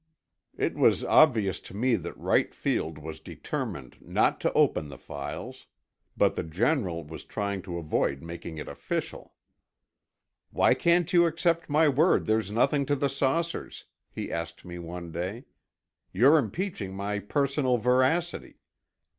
It was obvious to me that Wright Field was determined not to open the files. But the General was trying to avoid making it official. "Why can't you accept my word there's nothing to the saucers?" he asked me one day. "You're impeaching my personal veracity."